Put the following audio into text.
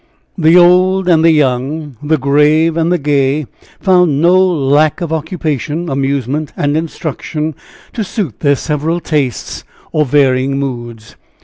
The old and the young, the grave and the gay, found no lack of occupation, amusement and instruction to suit their several tastes or varying moods.